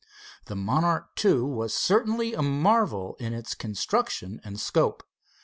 The Monarch II was certainly a marvel in its construction and scope.